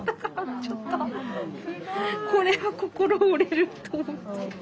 ちょっとこれは心折れると思って。